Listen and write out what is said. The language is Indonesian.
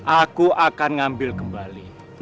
aku akan ngambil kembali